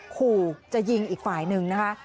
ขู่จะยิงอีกฝ่ายหนึ่งนะคะ